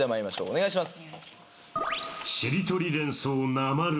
お願いします。